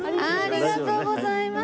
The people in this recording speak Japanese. ありがとうございます。